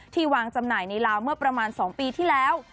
วางจำหน่ายในลาวเมื่อประมาณ๒ปีที่แล้ว